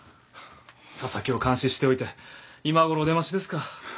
紗崎を監視しておいて今ごろお出ましですか。